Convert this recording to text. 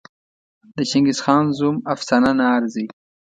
د چنګېزخان زوم افسانه نه ارزي.